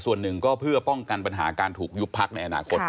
ส่วนหนึ่งก็เพื่อป้องกันปัญหาการถูกยุบพักในอนาคต